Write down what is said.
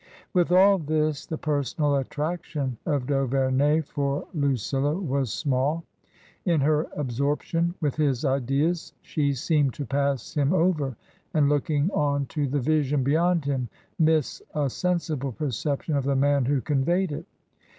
With all this, the personal attraction of d*Auverney for Lucilla was small. In her absorption with his ideas she seemed to pass him over, and looking on to the vision beyond him, miss a sensible perception of the man who conveyed it.